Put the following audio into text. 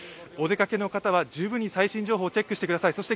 お出かけの方は十分に最新情報をチェックしてください。